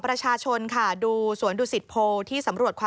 ประชาชน๑๓๐๓๒นะคะ